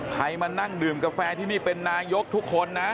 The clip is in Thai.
มานั่งดื่มกาแฟที่นี่เป็นนายกทุกคนนะ